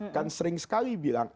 kan sering sekali bilang